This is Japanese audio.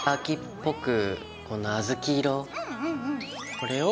これを。